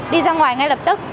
đi ra ngoài ngay lập tức